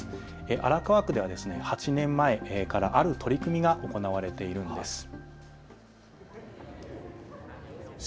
荒川区では８年前からある取り組みが行われているんです。